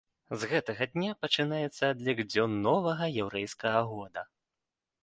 З гэтага дня пачынаецца адлік дзён новага яўрэйскага года.